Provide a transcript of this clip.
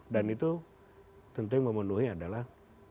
dan itu tentu yang memenuhi adalah